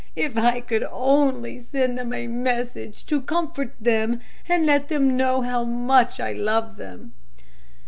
If I could only send them a message to comfort them and let them know how much I love them!"